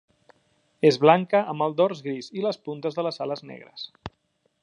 És blanca amb el dors gris i les puntes de les ales negres.